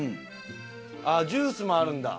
あっジュースもあるんだ。